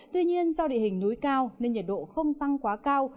tuy nhiên do địa hình núi cao nên nhiệt độ không tăng quá cao